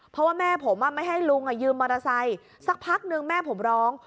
เพราะว่าแม่ผมอะไม่ให้ลุงอะยืมมอาศัยสักพักหนึ่งแม่ผมร้อง